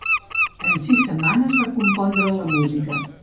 En sis setmanes va compondre la música.